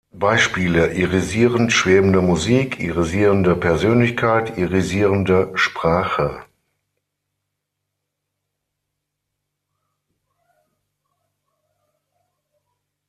Beispiele: „irisierend-schwebende Musik“, „irisierende Persönlichkeit“, „irisierende Sprache“.